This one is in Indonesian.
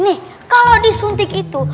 nih kalau disuntik itu